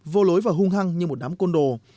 vô lối và hung hăng như một đám côn đồ